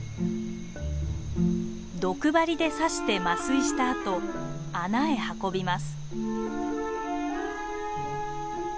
毒針で刺して麻酔したあと穴へ運びます。